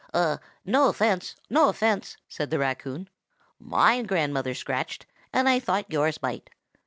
"No offence, no offence," said the raccoon. "My grandmother scratched, and I thought yours might.